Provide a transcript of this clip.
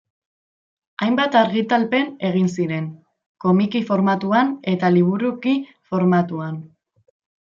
Hainbat argitalpen egin ziren, komiki formatuan eta liburuki formatuan.